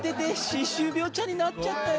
歯周病ちゃんになっちゃったよ。